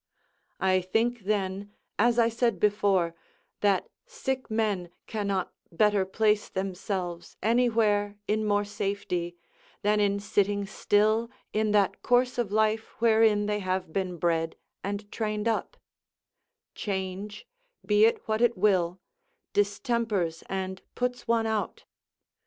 I think then, as I said before, that sick men cannot better place themselves anywhere in more safety, than in sitting still in that course of life wherein they have been bred and trained up; change, be it what it will, distempers and puts one out.